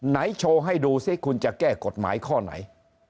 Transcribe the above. โชว์ให้ดูสิคุณจะแก้กฎหมายข้อไหน